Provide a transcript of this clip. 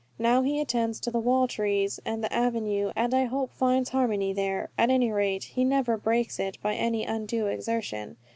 Now he attends to the wall trees, and the avenue, and I hope finds harmony there. At any rate, he never breaks it by any undue exertion.